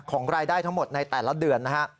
รายได้ทั้งหมดในแต่ละเดือนนะฮะ